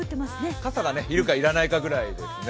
傘が要るか、要らないかぐらいですね。